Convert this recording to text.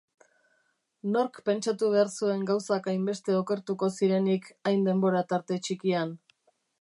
Nork pentsatu behar zuen gauzak hainbeste okertuko zirenik hain denbora tarte txikian?